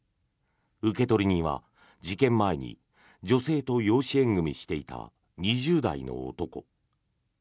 受取人は事件前に女性と養子縁組していた２０代の男。